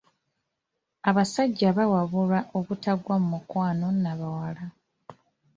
Abasajja bawabulwa obutagwa mu mukwano n'abawala.